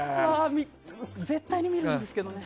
絶対に見てるんですけどね。